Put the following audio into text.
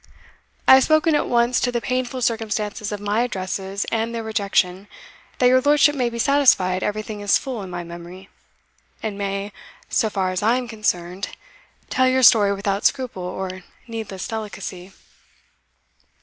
I have spoken at once to the painful circumstances of my addresses and their rejection, that your lordship may be satisfied everything is full in my memory, and may, so far as I am concerned, tell your story without scruple or needless delicacy."